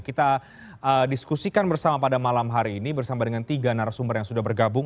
kita diskusikan bersama pada malam hari ini bersama dengan tiga narasumber yang sudah bergabung